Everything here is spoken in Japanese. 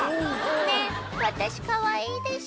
「ねぇ私かわいいでしょ」